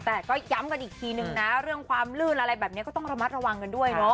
แต่ก็ย้ำกันอีกทีนึงนะเรื่องความลื่นอะไรแบบนี้ก็ต้องระมัดระวังกันด้วยเนาะ